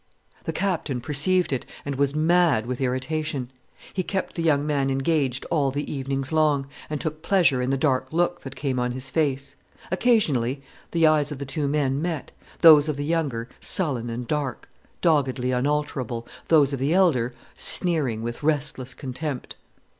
The Captain perceived it, and was mad with irritation. He kept the young man engaged all the evenings long, and took pleasure in the dark look that came on his face. Occasionally, the eyes of the two men met, those of the younger sullen and dark, doggedly unalterable, those of the elder sneering with restless contempt.